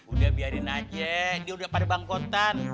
udah biarin aceh dia udah pada bangkotan